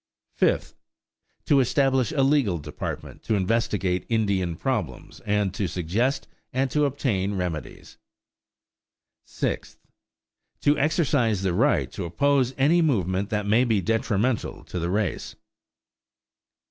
Fifth. To establish a legal department to investigate Indian problems and to suggest and to obtain remedies. Sixth. To exercise the right to oppose any movement that may be detrimental to the race.